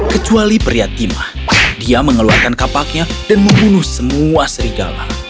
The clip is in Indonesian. kecuali pria timah dia mengeluarkan kapaknya dan membunuh semua serigala